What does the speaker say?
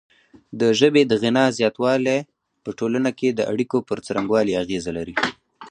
د ژبې د غنا زیاتوالی په ټولنه کې د اړیکو پر څرنګوالي اغیزه لري.